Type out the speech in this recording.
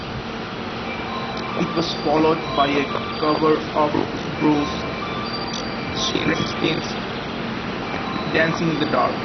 It was followed by a cover of Bruce Springsteen's "Dancing in the Dark".